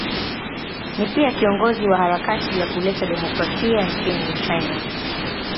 Ni pia kiongozi wa harakati ya kuleta demokrasia nchini China.